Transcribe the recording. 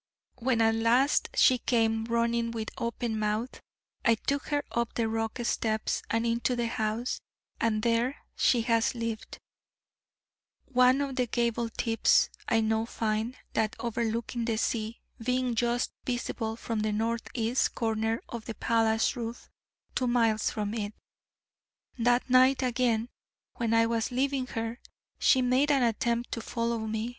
When at last she came running with open mouth, I took her up the rock steps, and into the house, and there she has lived, one of the gable tips, I now find (that overlooking the sea), being just visible from the north east corner of the palace roof, two miles from it. That night again, when I was leaving her, she made an attempt to follow me.